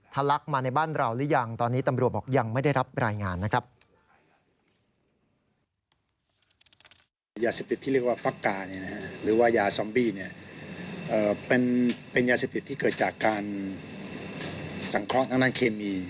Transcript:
ลักมาในบ้านเราหรือยังตอนนี้ตำรวจบอกยังไม่ได้รับรายงานนะครับ